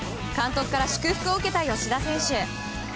監督から祝福を受けた吉田選手。